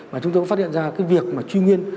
mà chúng ta có phát hiện ra cái việc mà truy nguyên